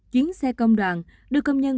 chuyến xe công đoàn đưa công nhân